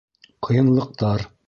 Ҡыйынлыҡтар